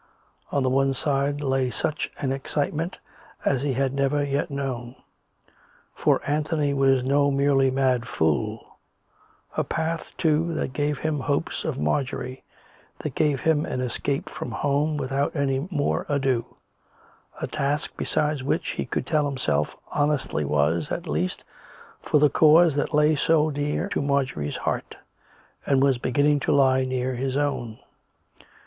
On the one side lay sruch an excitement as he had never yet known — for Anthony was no merely mad fool — a path, too, that 112 COME RACK! COME ROPE! gave him hopes of Marjorie^ that gave him an escape from home without any more ado, a task besides which he could tell himself honestly was, at least, for the cause that lay so near to Marjorie's heart, and was beginning to lie near his own.